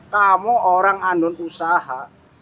kamu orang andon usaha